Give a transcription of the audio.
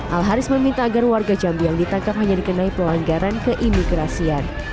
al haris meminta agar warga jambi yang ditangkap hanya dikenai pelanggaran keimigrasian